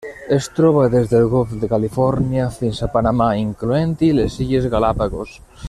Es troba des del Golf de Califòrnia fins a Panamà, incloent-hi les Illes Galápagos.